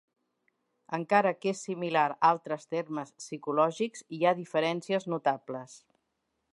Encara que és similar a altres termes psicològics, hi ha diferències notables.